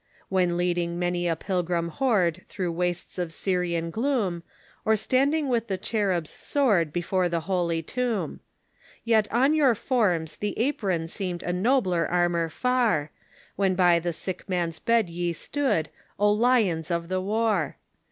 When leading manj^ a pilgim horde through wastes of S3Tian gloom, Or standing with the cherub's sword before the Holy Tomb. Yet on your forms the apron seemed a nobler armor far, When by the sick man's bed j'e stood, O lions of the war!